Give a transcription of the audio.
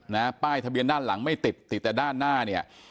ป้ายทะเบียนด้านหลังไม่ติดติดแต่ด้านหน้าเนี่ย